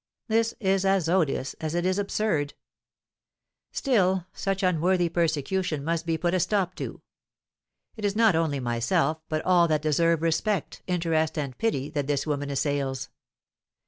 This is as odious as it is absurd. Still, such unworthy persecution must be put a stop to. It is not only myself, but all that deserve respect, interest, and pity, that this woman assails.